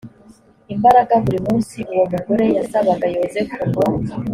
imbaraga buri munsi uwo mugore yasabaga yozefu ngo